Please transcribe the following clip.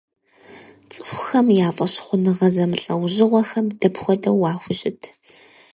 Цӏыхухэм я фӏэщхъуныгъэ зэмылӏэужьыгъуэхэм дапхуэдэу уахущыт?